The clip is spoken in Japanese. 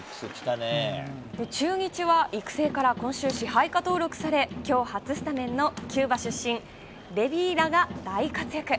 中日は育成から今週支配下登録され、きょう初スタメンのキューバ出身、レビーラが大活躍。